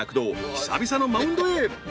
久々のマウンドへ。